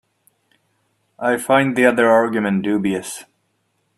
I find the other argument dubious.